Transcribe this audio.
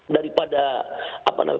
daripada apa namanya